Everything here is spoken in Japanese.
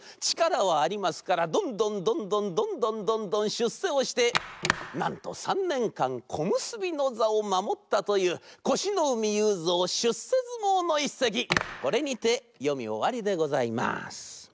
ちからはありますからどんどんどんどんどんどんどんどんしゅっせをしてなんと３ねんかんこむすびのざをまもったというこしのうみゆうぞうしゅっせずもうのいっせきこれにてよみおわりでございます。